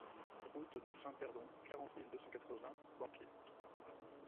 Route de Saint-Perdon, quarante mille deux cent quatre-vingts Benquet